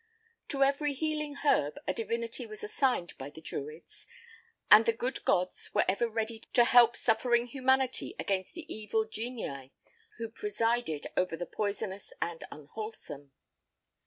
To every healing herb a divinity was assigned by the Druids, and the good gods were ever ready to help suffering |2| humanity against the evil genii who presided over the poisonous and unwholesome.